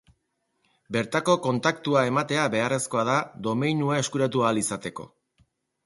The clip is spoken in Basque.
Bertako kontaktua ematea beharrezkoa da domeinua eskuratu ahal izateko.